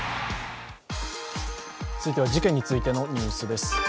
続いては事件についてのニュースです。